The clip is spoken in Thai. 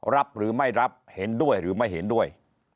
รับหรือไม่รับเห็นด้วยหรือไม่เห็นด้วย